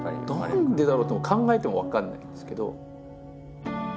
何でだろう？と考えても分かんないんですけど。